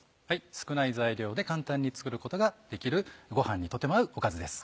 少ない材料で簡単に作ることができるご飯にとても合うおかずです。